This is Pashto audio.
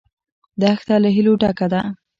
دښته له هیلو ډکه ده.